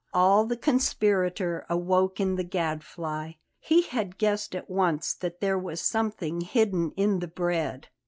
All the conspirator awoke in the Gadfly; he had guessed at once that there was something hidden in the bread.